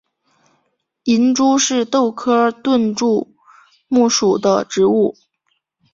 银珠是豆科盾柱木属的植物。